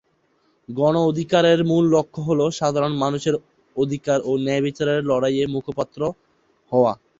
গণ অধিকারের মূল লক্ষ্য হ'ল সাধারণ মানুষের অধিকার ও ন্যায়বিচারের লড়াইয়ের মুখপত্র হওয়া।